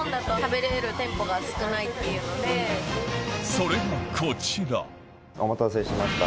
それがこちらお待たせしました